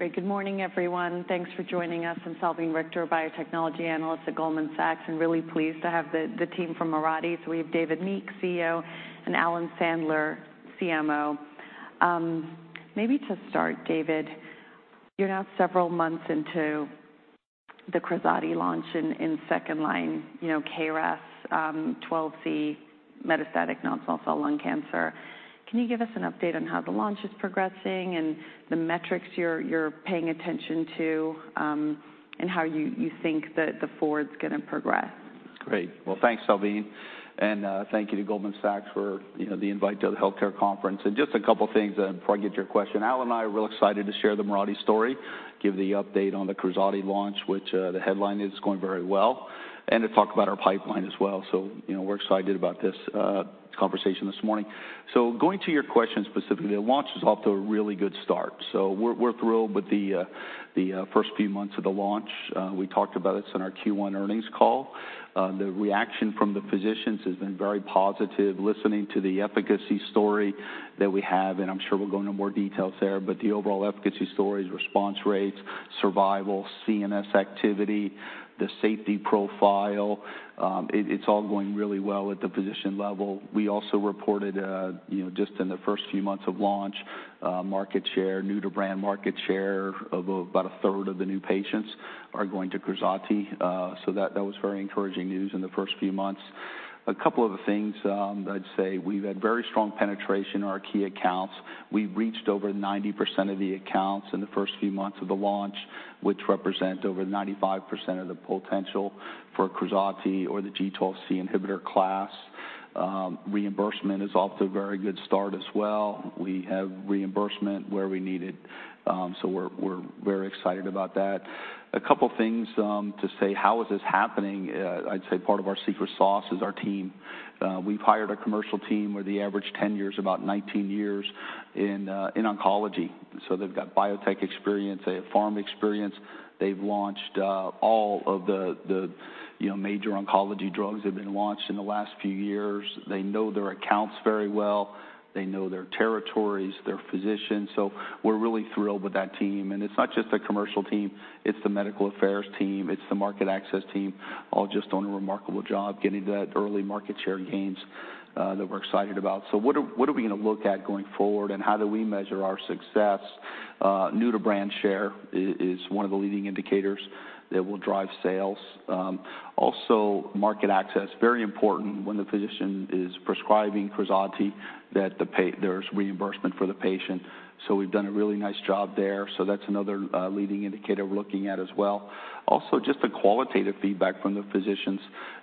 Great. Good morning, everyone. Thanks for joining us. I'm Salveen Richter, biotechnology analyst at Goldman Sachs, really pleased to have the team from Mirati. We have David Meek, CEO, and Alan Sandler, CMO. Maybe to start, David, you're now several months into the KRAZATI launch in second line, you know, KRAS G12C metastatic non-small cell lung cancer. Can you give us an update on how the launch is progressing and the metrics you're paying attention to, and how you think that the forward is going to progress? Great. Well, thanks, Salveen, thank you to Goldman Sachs for, you know, the invite to the healthcare conference. Just a couple of things before I get to your question. Alan and I are real excited to share the Mirati story, give the update on the KRAZATI launch, which the headline is going very well, and to talk about our pipeline as well. You know, we're excited about this conversation this morning. Going to your question specifically, the launch is off to a really good start. We're thrilled with the first few months of the launch. We talked about this in our Q1 earnings call. The reaction from the physicians has been very positive, listening to the efficacy story that we have, and I'm sure we'll go into more details there, but the overall efficacy stories, response rates, survival, CNS activity, the safety profile, it's all going really well at the physician level. We also reported, you know, just in the first few months of launch, market share, new-to-brand market share of about 1/3 of the new patients are going to KRAZATI. That was very encouraging news in the first few months. A couple other things, I'd say. We've had very strong penetration in our key accounts. We've reached over 90% of the accounts in the first few months of the launch, which represent over 95% of the potential for KRAZATI or the G12C inhibitor class. Reimbursement is off to a very good start as well. We have reimbursement where we need it, we're very excited about that. A couple of things to say: How is this happening? I'd say part of our secret sauce is our team. We've hired a commercial team where the average tenure is about 19 years in oncology. They've got biotech experience, they have pharma experience. They've launched all of the, you know, major oncology drugs that have been launched in the last few years. They know their accounts very well. They know their territories, their physicians. We're really thrilled with that team. It's not just the commercial team, it's the medical affairs team, it's the market access team, all just doing a remarkable job getting that early market share gains that we're excited about. What are we going to look at going forward and how do we measure our success? New to brand share is one of the leading indicators that will drive sales. Market access, very important when the physician is prescribing KRAZATI, that there's reimbursement for the patient. We've done a really nice job there. That's another leading indicator we're looking at as well. Just the qualitative feedback from the physicians,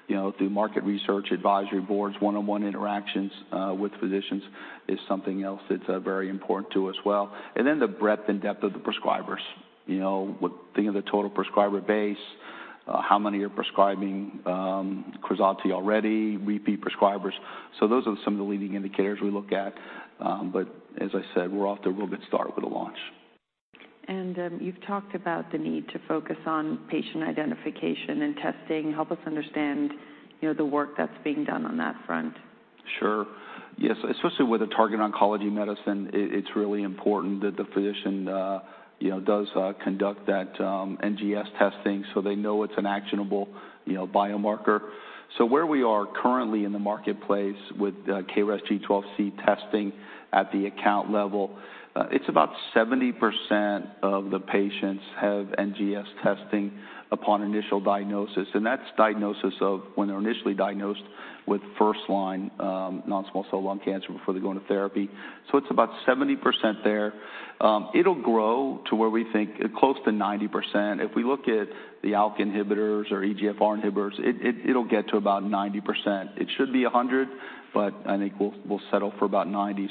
you know, through market research, advisory boards, one-on-one interactions with physicians is something else that's very important to us well. The breadth and depth of the prescribers. You know, with thinking of the total prescriber base, how many are prescribing KRAZATI already, repeat prescribers. Those are some of the leading indicators we look at, but as I said, we're off to a real good start with the launch. You've talked about the need to focus on patient identification and testing. Help us understand, you know, the work that's being done on that front. Sure. Yes, especially with a target oncology medicine, it's really important that the physician, you know, does conduct that NGS testing so they know it's an actionable, you know, biomarker. Where we are currently in the marketplace with KRAS G12C testing at the account level, it's about 70% of the patients have NGS testing upon initial diagnosis, and that's diagnosis of when they're initially diagnosed with first-line non-small cell lung cancer before they go into therapy. It's about 70% there. It'll grow to where we think close to 90%. If we look at the ALK inhibitors or EGFR inhibitors, it'll get to about 90%. It should be 100, but I think we'll settle for about 90.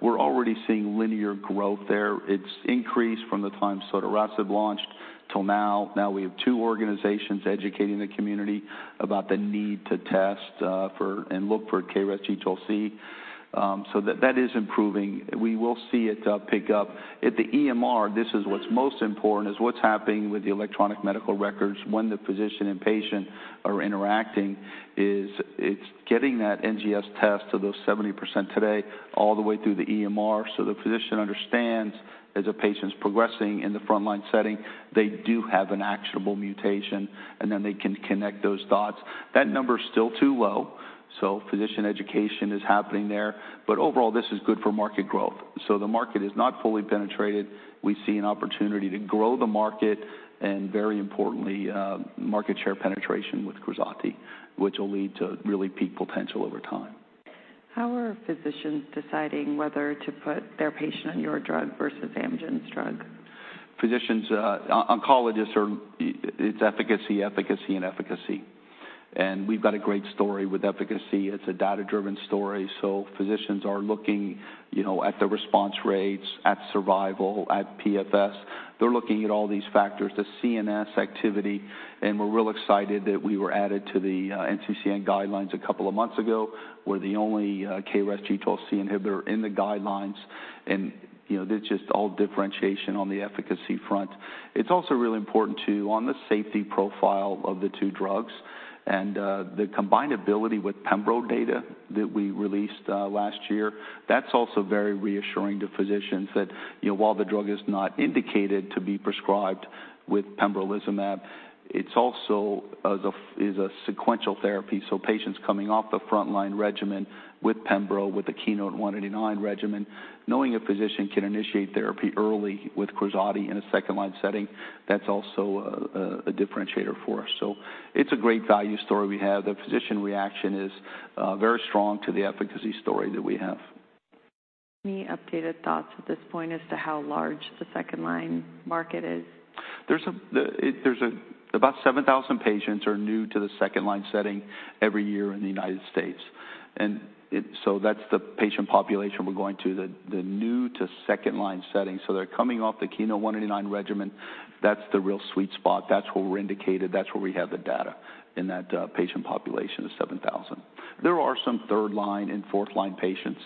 We're already seeing linear growth there. It's increased from the time Sotorasib launched till now. Now we have two organizations educating the community about the need to test for and look for KRAS G12C. That is improving. We will see it pick up. At the EMR, this is what's most important, is what's happening with the electronic medical records when the physician and patient are interacting, is it's getting that NGS test to those 70% today all the way through the EMR, the physician understands as a patient's progressing in the frontline setting, they do have an actionable mutation, and then they can connect those dots. That number is still too low, physician education is happening there. Overall, this is good for market growth. The market is not fully penetrated. We see an opportunity to grow the market, and very importantly, market share penetration with KRAZATI, which will lead to really peak potential over time. How are physicians deciding whether to put their patient on your drug versus Amgen's drug? Physicians, oncologists. It's efficacy, and efficacy. We've got a great story with efficacy. It's a data-driven story, so physicians are looking, you know, at the response rates, at survival, at PFS. They're looking at all these factors, the CNS activity. We're real excited that we were added to the NCCN Guidelines a couple of months ago. We're the only KRAS G12C inhibitor in the Guidelines. That's just all differentiation on the efficacy front. It's also really important, too, on the safety profile of the two drugs. The combined ability with pembro data that we released last year, that's also very reassuring to physicians that, you know, while the drug is not indicated to be prescribed with pembrolizumab, it's also a sequential therapy. Patients coming off the frontline regimen with pembro, with the KEYNOTE-189 regimen, knowing a physician can initiate therapy early with KRAZATI in a second-line setting, that's also a differentiator for us. It's a great value story we have. The physician reaction is very strong to the efficacy story that we have. Any updated thoughts at this point as to how large the second-line market is? There's about 7,000 patients are new to the second-line setting every year in the United States. That's the patient population we're going to the new-to-second-line setting. They're coming off the KEYNOTE-189 regimen. That's the real sweet spot. That's where we're indicated. That's where we have the data, in that patient population of 7,000. There are some third-line and fourth-line patients.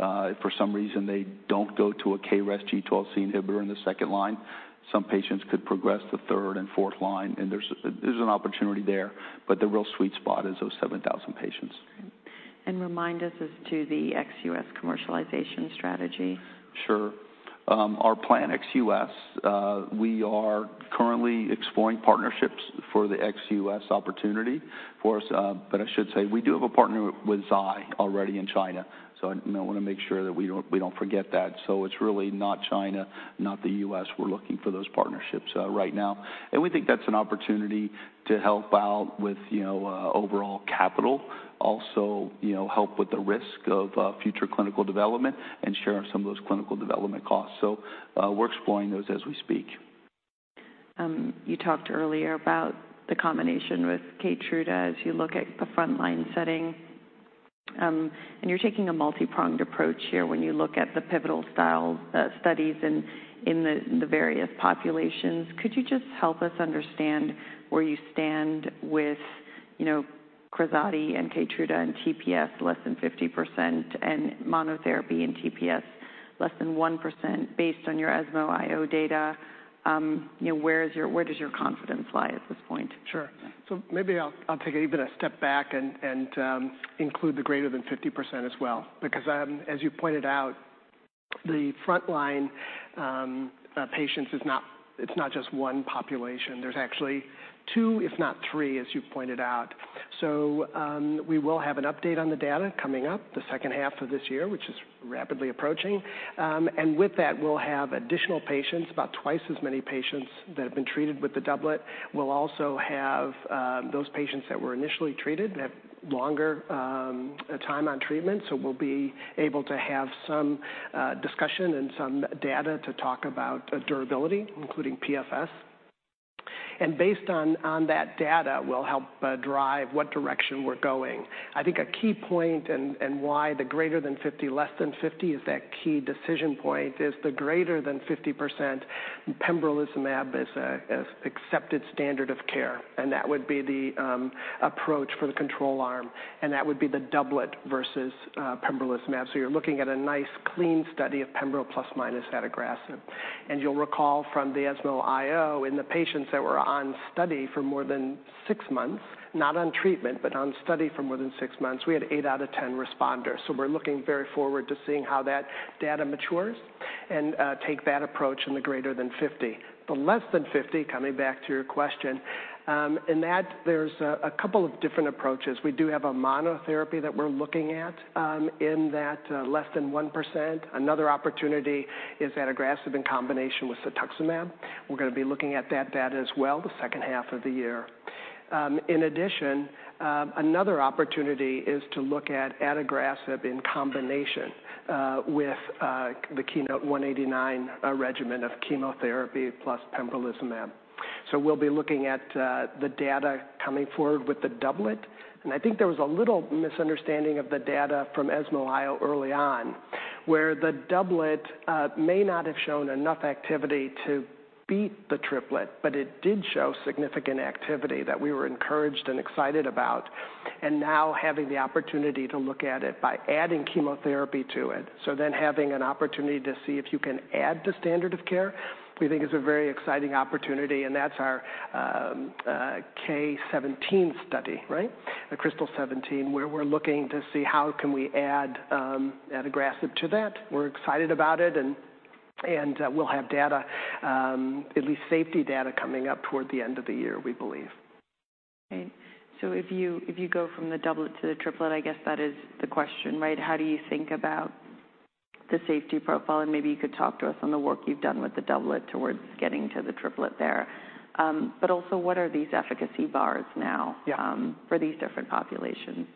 If for some reason, they don't go to a KRAS G12C inhibitor in the second line, some patients could progress to third and fourth line, and there's an opportunity there, but the real sweet spot is those 7,000 patients. Okay. Remind us as to the ex-US commercialization strategy? Sure. Our plan ex-US, we are currently exploring partnerships for the ex-US opportunity for us. I should say, we do have a partner with Zai already in China. I, you know, want to make sure that we don't forget that. It's really not China, not the US. We're looking for those partnerships right now, and we think that's an opportunity to help out with, you know, overall capital, also, you know, help with the risk of future clinical development and share some of those clinical development costs. We're exploring those as we speak. You talked earlier about the combination with KEYTRUDA as you look at the frontline setting, you're taking a multipronged approach here when you look at the pivotal style studies in the various populations. Could you just help us understand where you stand with, you know, KRAZATI and KEYTRUDA and TPS less than 50%, and monotherapy and TPS less than 1%, based on your ESMO IO data? You know, where does your confidence lie at this point? Sure. Maybe I'll take even a step back and include the greater than 50% as well, because as you pointed out, the frontline patients is not, it's not just one population. There's actually two, if not three, as you pointed out. We will have an update on the data coming up the second half of this year, which is rapidly approaching. With that, we'll have additional patients, about twice as many patients that have been treated with the doublet. We'll also have those patients that were initially treated and have longer time on treatment. We'll be able to have some discussion and some data to talk about durability, including PFS. Based on that data, will help drive what direction we're going. I think a key point and why the greater than 50, less than 50 is that key decision point is the greater than 50% pembrolizumab is accepted standard of care, and that would be the approach for the control arm, and that would be the doublet versus pembrolizumab. You're looking at a nice, clean study of pembro plus minus adagrasib. You'll recall from the ESMO IO, in the patients that were on study for more than six months, not on treatment, but on study for more than six months, we had eight out of 10 responders. We're looking very forward to seeing how that data matures and take that approach in the greater than 50. The less than 50, coming back to your question, in that, there's a couple of different approaches. We do have a monotherapy that we're looking at, in that, less than 1%. Another opportunity is adagrasib in combination with cetuximab. We're gonna be looking at that data as well the second half of the year. In addition, another opportunity is to look at adagrasib in combination with the KEYNOTE-189 regimen of chemotherapy plus pembrolizumab. We'll be looking at the data coming forward with the doublet. I think there was a little misunderstanding of the data from ESMO IO early on, where the doublet may not have shown enough activity to beat the triplet, but it did show significant activity that we were encouraged and excited about. Now having the opportunity to look at it by adding chemotherapy to it, having an opportunity to see if you can add to standard of care, we think is a very exciting opportunity, and that's our KRYSTAL-17 study, right? The KRYSTAL-17, where we're looking to see how can we add adagrasib to that. We're excited about it, and we'll have data, at least safety data, coming up toward the end of the year, we believe. Okay. If you go from the doublet to the triplet, I guess that is the question, right? How do you think about the safety profile? Maybe you could talk to us on the work you've done with the doublet towards getting to the triplet there. Also, what are these efficacy bars now? Yeah for these different populations?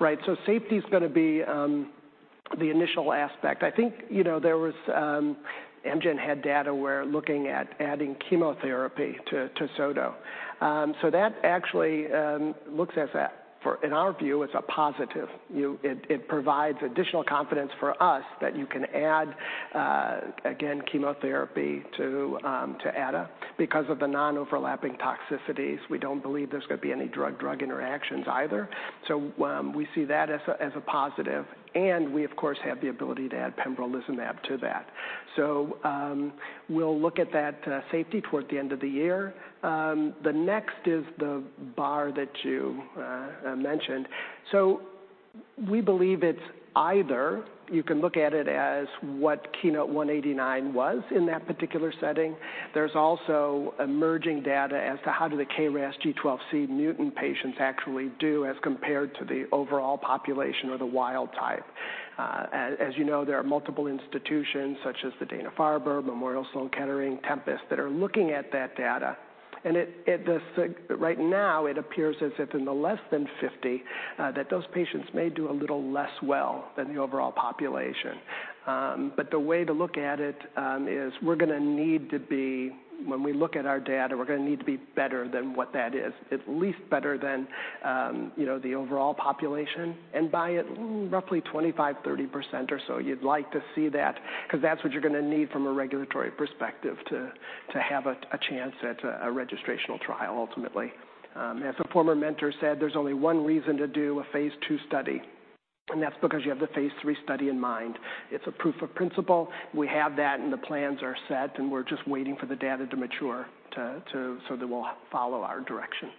Right. safety is gonna be the initial aspect. I think, you know, there was Amgen had data where looking at adding chemotherapy to SOTO. that actually looks as a in our view, as a positive. It provides additional confidence for us that you can add again, chemotherapy to Ada because of the non-overlapping toxicities. We don't believe there's going to be any drug-drug interactions either. we see that as a positive, and we, of course, have the ability to add pembrolizumab to that. we'll look at that safety toward the end of the year. The next is the bar that you mentioned. we believe it's either you can look at it as what KEYNOTE-189 was in that particular setting. There's also emerging data as to how do the KRAS G12C mutant patients actually do as compared to the overall population or the wild type. As you know, there are multiple institutions such as the Dana-Farber, Memorial Sloan Kettering, Tempus, that are looking at that data, and it, right now, it appears as if in the less than 50, that those patients may do a little less well than the overall population. The way to look at it is we're gonna need to be when we look at our data, we're gonna need to be better than what that is. At least better than, you know, the overall population, and by roughly 25-30% or so, you'd like to see that, 'cause that's what you're gonna need from a regulatory perspective to have a chance at a registrational trial ultimately. As a former mentor said, "There's only one reason to do a Phase II study, and that's because you have the Phase III study in mind." It's a proof of principle. We have that, the plans are set, and we're just waiting for the data to mature so that we'll follow our direction.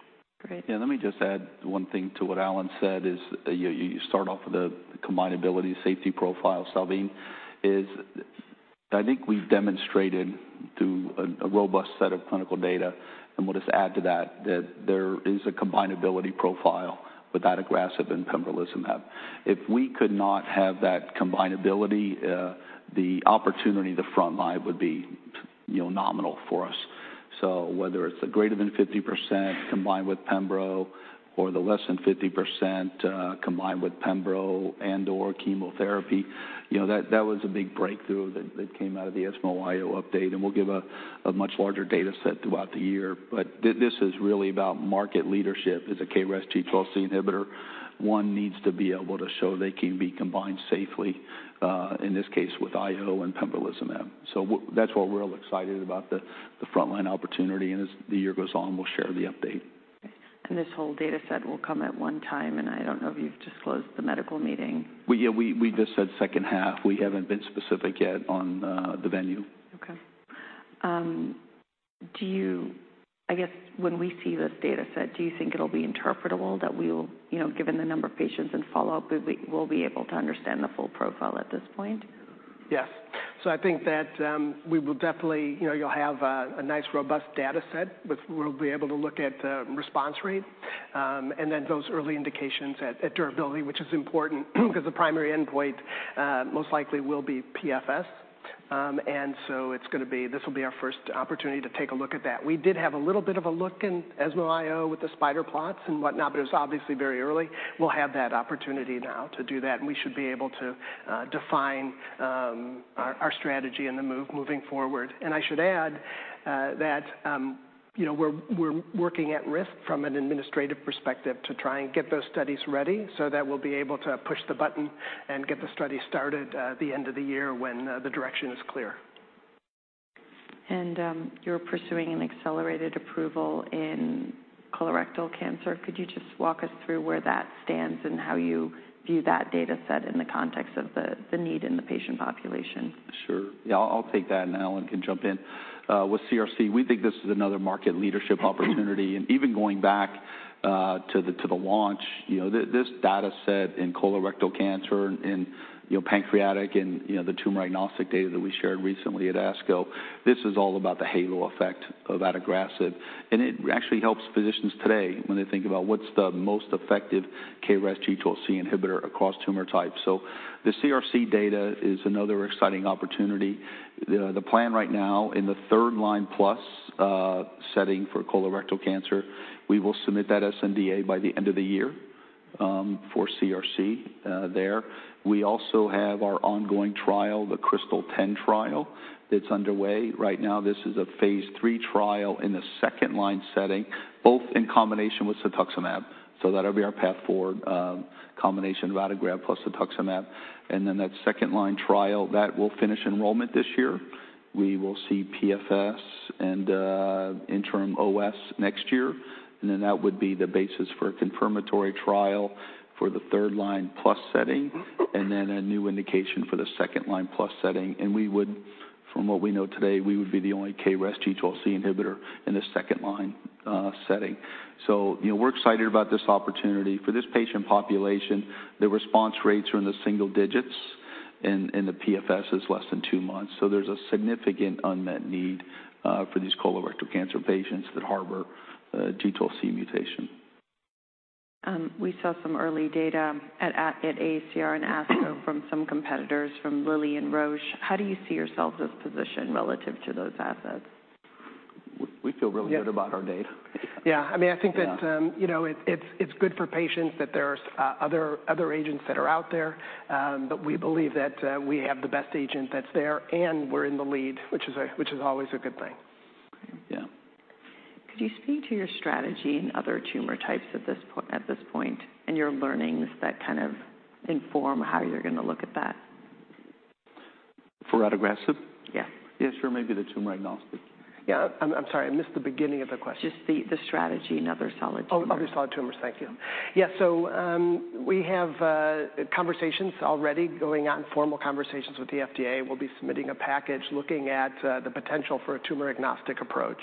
Great. Let me just add one thing to what Alan said is, you start off with the combinability safety profile, Salveen, is I think we've demonstrated through a robust set of clinical data, and we'll just add to that there is a combinability profile with adagrasib and pembrolizumab. If we could not have that combinability, the opportunity, the front line would be, you know, nominal for us. Whether it's a greater than 50% combined with pembro, or the less than 50% combined with pembro and/or chemotherapy, you know, that was a big breakthrough that came out of the ESMO IO update, and we'll give a much larger data set throughout the year. This is really about market leadership. As a KRAS G12C inhibitor, one needs to be able to show they can be combined safely, in this case, with IO and pembrolizumab. That's what we're all excited about, the frontline opportunity, and as the year goes on, we'll share the update. This whole data set will come at one time, and I don't know if you've disclosed the medical meeting. Well, yeah, we just said second half. We haven't been specific yet on the venue. Okay. I guess when we see this data set, do you think it'll be interpretable, that we will, you know, given the number of patients and follow-up, we'll be able to understand the full profile at this point? Yes. I think that we will definitely, you know, you'll have a nice, robust data set, we'll be able to look at response rate, and then those early indications at durability, which is important because the primary endpoint most likely will be PFS. This will be our first opportunity to take a look at that. We did have a little bit of a look in ESMO IO with the spider plots and whatnot, it was obviously very early. We'll have that opportunity now to do that, we should be able to define our strategy moving forward. I should add, that, you know, we're working at risk from an administrative perspective to try and get those studies ready so that we'll be able to push the button and get the study started at the end of the year when, the direction is clear. You're pursuing an accelerated approval in colorectal cancer. Could you just walk us through where that stands and how you view that data set in the context of the need in the patient population? Sure. Yeah, I'll take that. Alan can jump in. With CRC, we think this is another market leadership opportunity. Even going back to the launch, you know, this data set in colorectal cancer, and, you know, pancreatic, and, you know, the tumor-agnostic data that we shared recently at ASCO, this is all about the halo effect of adagrasib. It actually helps physicians today when they think about what's the most effective KRAS G12C inhibitor across tumor types. The CRC data is another exciting opportunity. The plan right now in the third-line-plus setting for colorectal cancer, we will submit that sNDA by the end of the year for CRC there. We also have our ongoing trial, the KRYSTAL-10 trial, that's underway right now. This is a phase III trial in the second-line setting, both in combination with cetuximab. That'll be our path forward, combination of adagrasib plus cetuximab. That second-line trial, that will finish enrollment this year. We will see PFS and interim OS next year, that would be the basis for a confirmatory trial for the third-line-plus setting, then a new indication for the second-line-plus setting. We would, from what we know today, we would be the only KRAS G Twelve C inhibitor in the second-line setting. You know, we're excited about this opportunity. For this patient population, the response rates are in the single digits, and the PFS is less than two months. There's a significant unmet need for these colorectal cancer patients that harbor a G Twelve C mutation. We saw some early data at AACR and ASCO from some competitors, from Lilly and Roche. How do you see yourselves as positioned relative to those assets? We feel really. Yeah good about our data. Yeah. I mean, I think that, you know, it's good for patients that there are other agents that are out there. We believe that we have the best agent that's there, and we're in the lead, which is always a good thing. Yeah. Could you speak to your strategy in other tumor types at this point, and your learnings that kind of inform how you're gonna look at that? For adagrasib? Yeah. Yes, or maybe the tumor-agnostic. I'm sorry, I missed the beginning of the question. Just the strategy in other solid tumors. Other solid tumors. Thank you. We have conversations already going on, formal conversations with the FDA. We'll be submitting a package looking at the potential for a tumor-agnostic approach.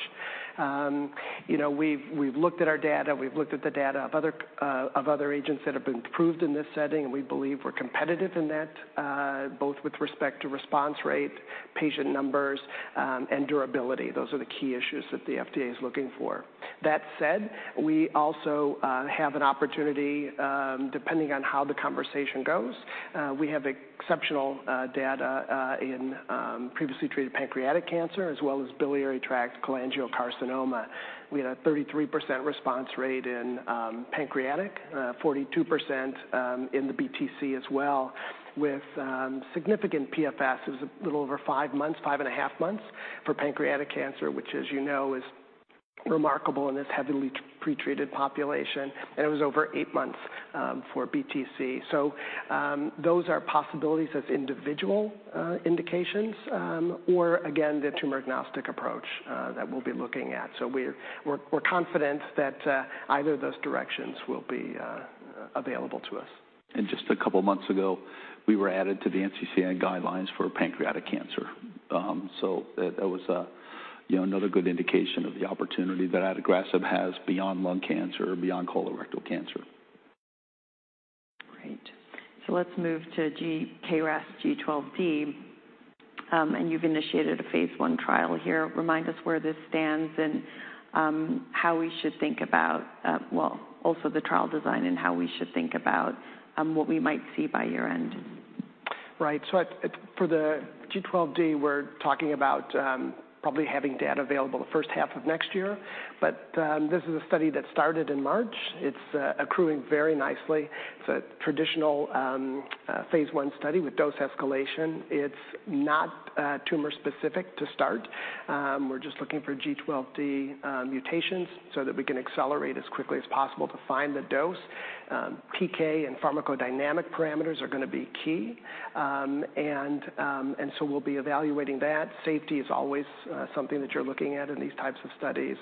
You know, we've looked at our data, we've looked at the data of other agents that have been approved in this setting, and we believe we're competitive in that, both with respect to response rate, patient numbers, and durability. Those are the key issues that the FDA is looking for. That said, we also have an opportunity, depending on how the conversation goes, we have exceptional data in previously treated pancreatic cancer as well as biliary tract cholangiocarcinoma. We had a 33% response rate in pancreatic, 42% in the BTC as well, with significant PFS. It was a little over five months, five and a half months for pancreatic cancer, which as you know, is remarkable in this heavily pre-treated population. It was over eight months for BTC. Those are possibilities as individual indications, or again, the tumor-agnostic approach that we'll be looking at. We're confident that either of those directions will be available to us. Just a couple months ago, we were added to the NCCN Guidelines for pancreatic cancer. That was a, you know, another good indication of the opportunity that adagrasib has beyond lung cancer, beyond colorectal cancer. Great. Let's move to KRAS G12D. You've initiated a phase III trial here. Remind us where this stands and how we should think about, well, also the trial design, and how we should think about what we might see by year-end. Right. For the G12D, we're talking about probably having data available the first half of next year, this is a study that started in March. It's accruing very nicely. It's a traditional phase I study with dose escalation. It's not tumor-specific to start. We're just looking for G12D mutations so that we can accelerate as quickly as possible to find the dose. PK and pharmacodynamic parameters are gonna be key. We'll be evaluating that. Safety is always something that you're looking at in these types of studies.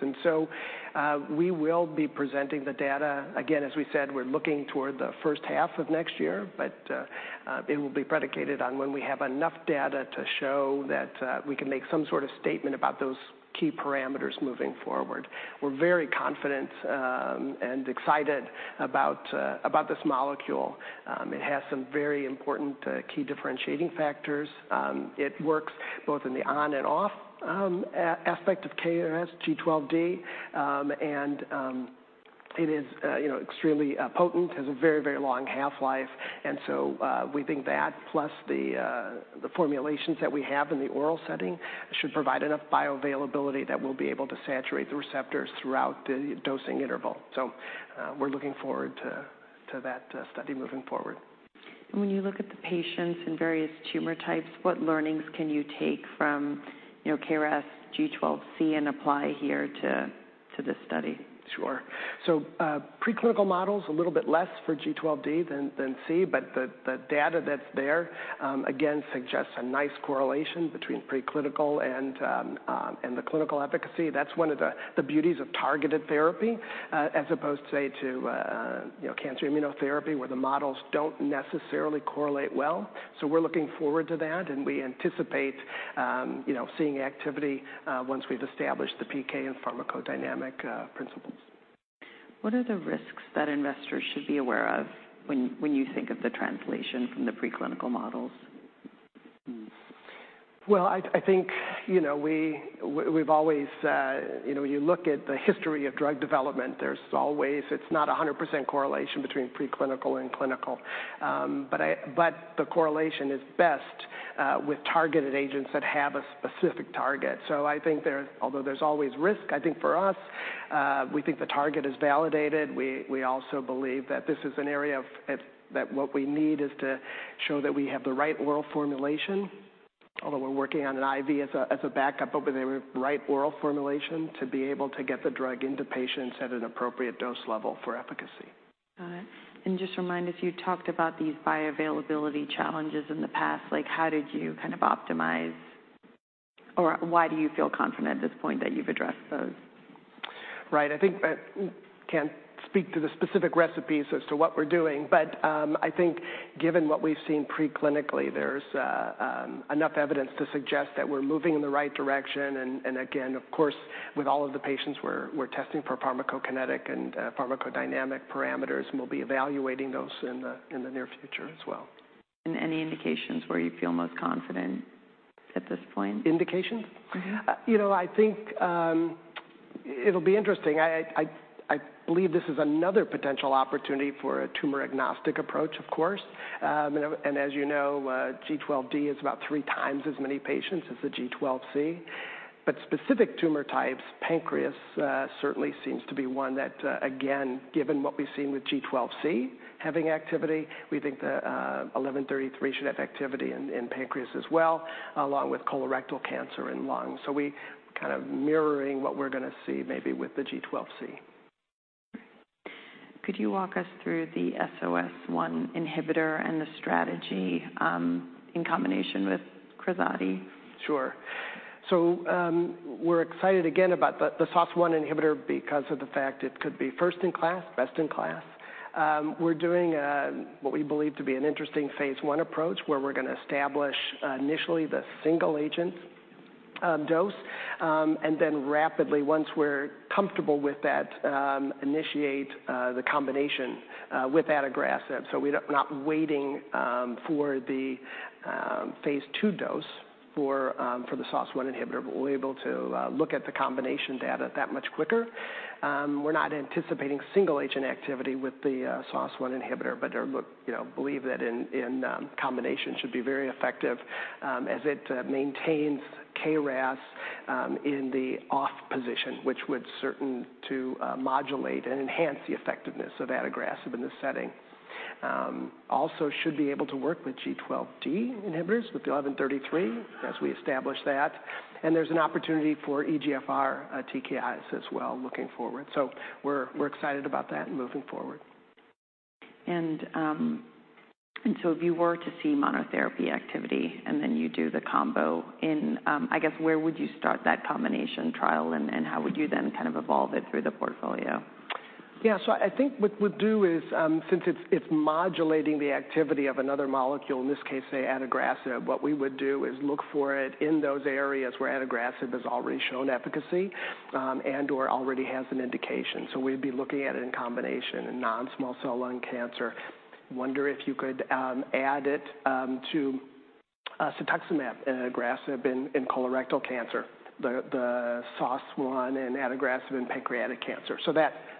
We will be presenting the data... As we said, we're looking toward the first half of next year, but it will be predicated on when we have enough data to show that we can make some sort of statement about those key parameters moving forward. We're very confident and excited about about this molecule. It has some very important key differentiating factors. It works both in the on and off aspect of KRAS G12D. It is, you know, extremely potent, has a very, very long half-life. We think that, plus the formulations that we have in the oral setting, should provide enough bioavailability that we'll be able to saturate the receptors throughout the dosing interval. We're looking forward to that study moving forward. When you look at the patients in various tumor types, what learnings can you take from, you know, KRAS G12C and apply here to this study? Sure. Preclinical models, a little bit less for G12D than C, but the data that's there, again, suggests a nice correlation between preclinical and the clinical efficacy. That's one of the beauties of targeted therapy, as opposed, say, to, you know, cancer immunotherapy, where the models don't necessarily correlate well. We're looking forward to that, and we anticipate, you know, seeing activity, once we've established the PK and pharmacodynamic principles. What are the risks that investors should be aware of when you think of the translation from the preclinical models? Well, I think, you know, we've always, you know, you look at the history of drug development, there's always... It's not 100% correlation between preclinical and clinical. The correlation is best with targeted agents that have a specific target. I think there, although there's always risk, I think for us, we think the target is validated. We also believe that this is an area that what we need is to show that we have the right oral formulation, although we're working on an IV as a backup, but with the right oral formulation to be able to get the drug into patients at an appropriate dose level for efficacy. Got it. Just remind us, you talked about these bioavailability challenges in the past. Like, how did you kind of optimize, or why do you feel confident at this point that you've addressed those? Right. I think I can't speak to the specific recipes as to what we're doing, but, I think given what we've seen preclinically, there's enough evidence to suggest that we're moving in the right direction. Again, of course, with all of the patients, we're testing for pharmacokinetic and pharmacodynamic parameters, and we'll be evaluating those in the near future as well. Any indications where you feel most confident at this point? Indications? Mm-hmm. You know, I think, it'll be interesting. I believe this is another potential opportunity for a tumor-agnostic approach, of course. As you know, G12D is about three times as many patients as the G12C. Specific tumor types, pancreas, certainly seems to be one that, again, given what we've seen with G12C having activity, we think the eleven thirty-three should have activity in pancreas as well, along with colorectal cancer and lung. We kind of mirroring what we're gonna see maybe with the G12C. Could you walk us through the SOS1 inhibitor and the strategy, in combination with KRAZATI? Sure. We're excited again about the SOS1 inhibitor because of the fact it could be first-in-class, best-in-class.... we're doing what we believe to be an interesting Phase I approach, where we're going to establish initially the single agent dose, and then rapidly, once we're comfortable with that, initiate the combination with adagrasib. We're not waiting for the Phase II dose for the SOS1 inhibitor, but we're able to look at the combination data that much quicker. We're not anticipating single agent activity with the SOS1 inhibitor, but are you know, believe that in combination should be very effective, as it maintains KRAS in the off position, which would certain to modulate and enhance the effectiveness of adagrasib in this setting. also should be able to work with KRAS G12D inhibitors, with the MRTX1133, as we establish that. There's an opportunity for EGFR TKIs as well, looking forward. We're excited about that moving forward. If you were to see monotherapy activity, and then you do the combo in, I guess, where would you start that combination trial, and how would you then kind of evolve it through the portfolio? I think what we'd do is, since it's modulating the activity of another molecule, in this case, say, adagrasib, what we would do is look for it in those areas where adagrasib has already shown efficacy and/or already has an indication. We'd be looking at it in combination in non-small cell lung cancer. Wonder if you could add it to cetuximab and adagrasib in colorectal cancer, the SOS1 and adagrasib in pancreatic cancer.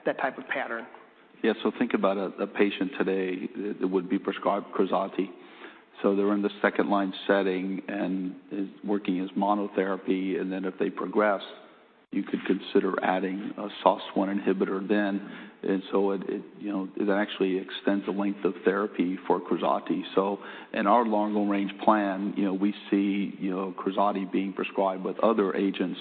That type of pattern. Yeah. Think about a patient today that would be prescribed KRAZATI. They're in the second line setting and is working as monotherapy, and then if they progress, you could consider adding a SOS1 inhibitor then. It, you know, it actually extends the length of therapy for KRAZATI. In our long range plan, you know, we see, you know, KRAZATI being prescribed with other agents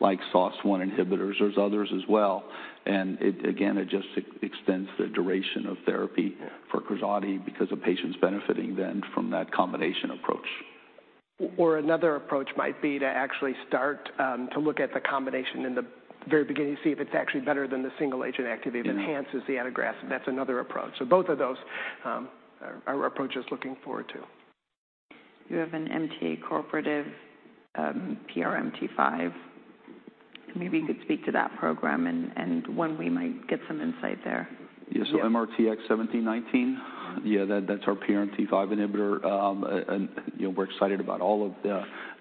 like SOS1 inhibitors. There's others as well, again, it just extends the duration of therapy. Yeah for KRAZATI because the patient's benefiting then from that combination approach. Another approach might be to actually start to look at the combination in the very beginning to see if it's actually better than the single agent activity. Yeah it enhances the adagrasib. That's another approach. Both of those are approaches looking forward to. You have an MTA cooperative, PRMT5. Maybe you could speak to that program and when we might get some insight there. Yeah, MRTX1719? Yeah, that's our PRMT5 inhibitor. And, you know, we're excited about all of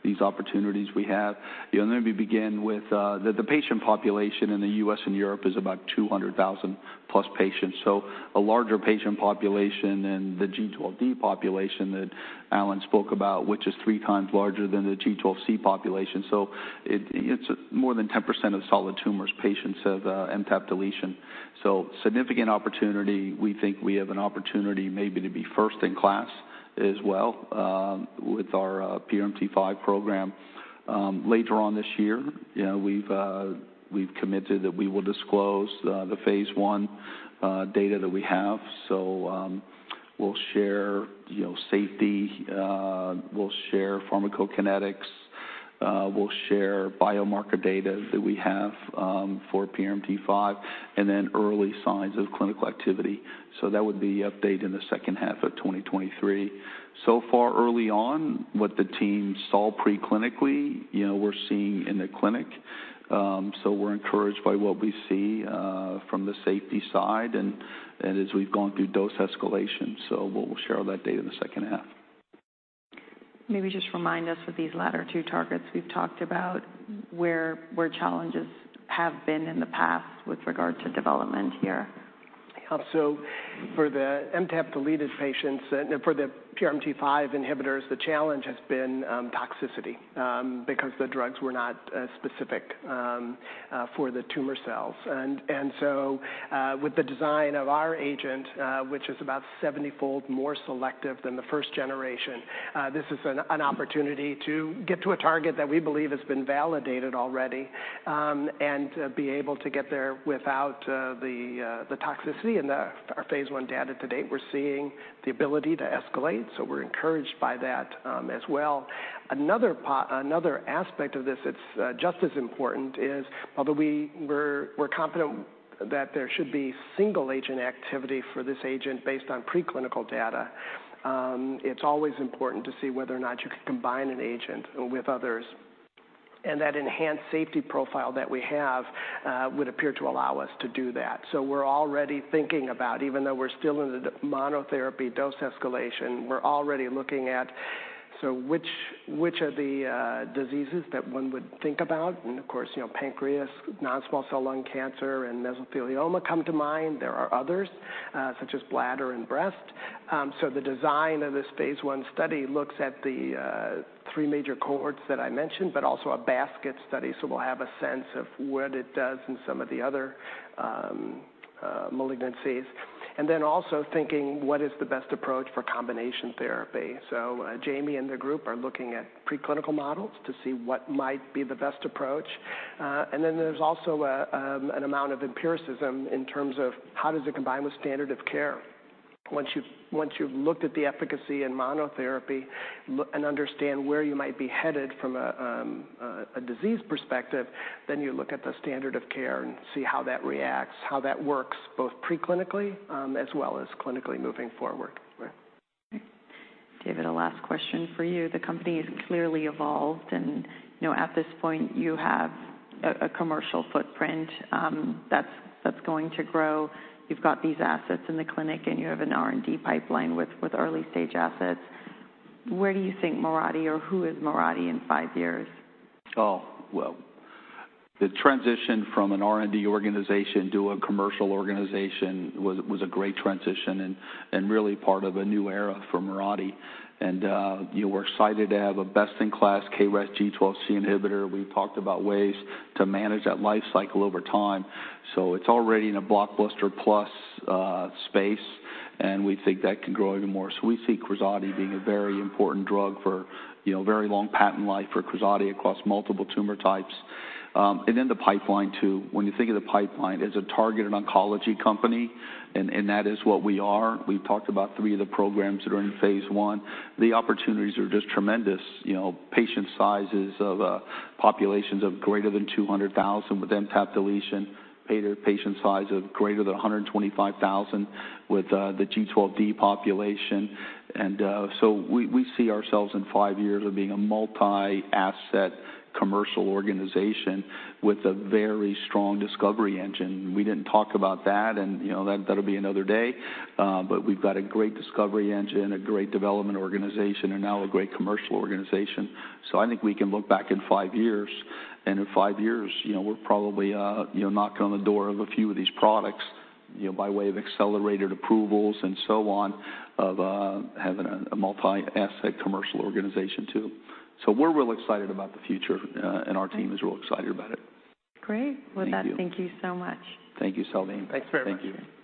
these opportunities we have. You know, let me begin with the patient population in the U.S. and Europe is about 200,000+ patients, a larger patient population than the G12D population that Alan spoke about, which is three times larger than the G12C population. It's more than 10% of solid tumors patients have MTAP deletion. Significant opportunity. We think we have an opportunity maybe to be first-in-class as well with our PRMT5 program. Later on this year, you know, we've committed that we will disclose the Phase I data that we have. We'll share, you know, safety, we'll share pharmacokinetics, we'll share biomarker data that we have, for PRMT5, and then early signs of clinical activity. That would be update in the second half of 2023. Far, early on, what the team saw pre-clinically, you know, we're seeing in the clinic. We're encouraged by what we see, from the safety side and as we've gone through dose escalation. We'll share all that data in the second half. Maybe just remind us with these latter two targets we've talked about, where challenges have been in the past with regard to development here? For the MTAP deleted patients and for the PRMT5 inhibitors, the challenge has been toxicity because the drugs were not specific for the tumor cells. With the design of our agent, which is about 70-fold more selective than the first generation, this is an opportunity to get to a target that we believe has been validated already, and to be able to get there without the toxicity. Our Phase I data to date, we're seeing the ability to escalate, so we're encouraged by that as well. Another aspect of this that's just as important is, although we're confident that there should be single agent activity for this agent based on preclinical data, it's always important to see whether or not you can combine an agent with others. That enhanced safety profile that we have, would appear to allow us to do that. We're already thinking about, even though we're still in the monotherapy dose escalation, we're already looking at which of the diseases that one would think about, of course, you know, pancreas, non-small cell lung cancer, and mesothelioma come to mind. There are others, such as bladder and breast. The design of this phase I study looks at the three major cohorts that I mentioned, but also a basket study, we'll have a sense of what it does in some of the other malignancies. Also thinking, what is the best approach for combination therapy? Jamie and the group are looking at preclinical models to see what might be the best approach. There's also an amount of empiricism in terms of how does it combine with standard of care? Once you've looked at the efficacy in monotherapy, and understand where you might be headed from a disease perspective, then you look at the standard of care and see how that reacts, how that works, both pre-clinically, as well as clinically moving forward. Okay. David, a last question for you. The company has clearly evolved, you know, at this point, you have a commercial footprint, that's going to grow. You've got these assets in the clinic, and you have an R&D pipeline with early-stage assets. Where do you think Mirati or who is Mirati in five years? Well, the transition from an R&D organization to a commercial organization was a great transition and really part of a new era for Mirati. You know, we're excited to have a best-in-class KRAS G12C inhibitor. We've talked about ways to manage that life cycle over time. It's already in a blockbuster plus space, and we think that can grow even more. We see KRAZATI being a very important drug for, you know, a very long patent life for KRAZATI across multiple tumor types. The pipeline, too. When you think of the pipeline, as a targeted oncology company, and that is what we are, we've talked about three of the programs that are in phase I. The opportunities are just tremendous. You know, patient sizes of populations of greater than 200,000 with MTAP deletion, patient size of greater than 125,000 with the G12D population. We see ourselves in five years of being a multi-asset commercial organization with a very strong discovery engine. We didn't talk about that and, you know, that'll be another day. We've got a great discovery engine, a great development organization, and now a great commercial organization. I think we can look back in five years, and in five years, you know, we're probably, you know, knocking on the door of a few of these products, you know, by way of accelerated approvals and so on, of having a multi-asset commercial organization, too. We're real excited about the future, and our team is real excited about it. Great. Thank you. Well, thank you so much. Thank you, Salveen. Thanks very much. Thank you.